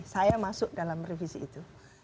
saya masuk dalam revisi itu